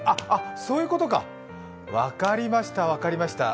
そういうことか、分かりました、分かりました。